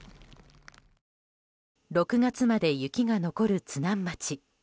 ６月まで雪が残る津南町。